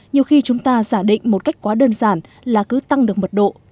nhiều khi chúng ta giả định một cách quá đơn giản là cứ tăng được mật độ